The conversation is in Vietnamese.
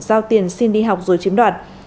giao tiền xin đi học rồi chiếm đoạt